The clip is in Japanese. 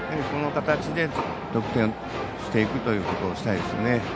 この形で、得点していくというのをしていきたいですね。